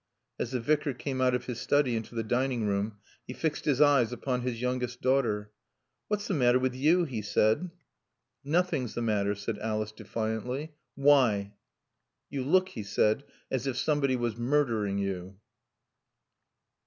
As the Vicar came out of his study into the dining room, he fixed his eyes upon his youngest daughter. "What's the matter with you?" he said. "Nothing's the matter," said Alice defiantly. "Why?" "You look," he said, "as if somebody was murdering you."